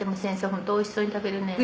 ホントおいしそうに食べるね。